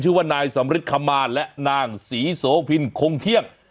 ชื่อว่านายสำริทคำมาและนางศรีโสพินคงเที่ยง